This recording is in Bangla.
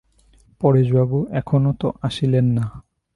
পরেশবাবু এখনো তো আসিলেন না।